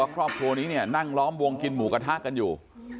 ครอบครัวนี้เนี่ยนั่งล้อมวงกินหมูกระทะกันอยู่